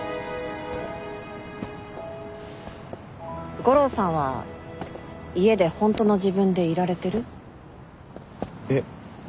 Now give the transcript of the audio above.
悟郎さんは家で「ホントの自分」でいられてる？えっ？